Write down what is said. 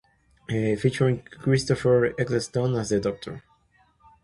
Featuring Christopher Eccleston as The Doctor.